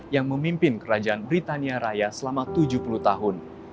yang memimpin kerajaan britania raya selama tujuh puluh tahun